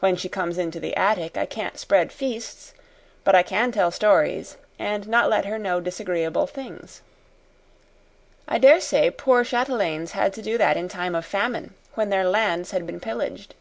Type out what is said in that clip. When she comes into the attic I can't spread feasts, but I can tell stories, and not let her know disagreeable things. I dare say poor chatelaines had to do that in time of famine, when their lands had been pillaged."